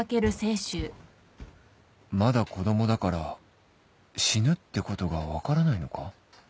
まだ子供だから死ぬってことが分からないのか？